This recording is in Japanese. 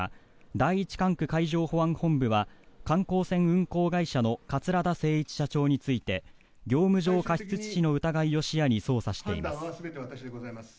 第１管区海上保安本部は観光船運航会社の桂田精一社長について業務上過失致死の疑いを視野に捜査しています。